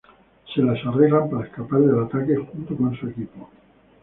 Se las arreglan para escapar del ataque junto con su equipo.